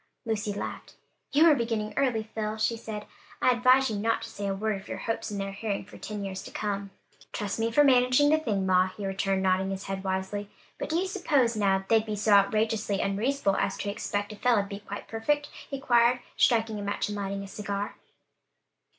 Lucy laughed. "You are beginning early, Phil," she said. "I advise you not to say a word of your hopes in their hearing, for ten years to come." "Trust me for managing the thing, ma," he returned, nodding his head wisely. "But do you s'pose now, they'd be so outrageously unreasonable as to expect a fellow to be quite perfect?" he queried, striking a match and lighting a cigar.